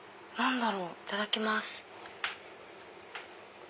いただきます。